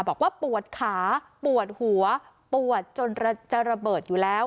บอกว่าปวดขาปวดหัวปวดจนจะระเบิดอยู่แล้ว